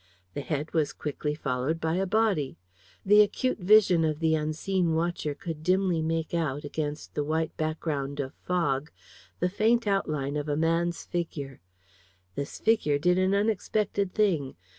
The head was quickly followed by a body. The acute vision of the unseen watcher could dimly make out, against the white background of fog, the faint outline of a man's figure. This figure did an unexpected thing.